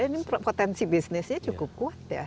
ini potensi bisnisnya cukup kuat ya